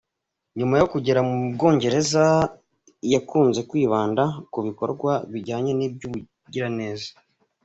Nyuma yo kugera mu Bwongereza yakunze kwibanda ku bikorwa bijyanye n’iby’ubugiraneza.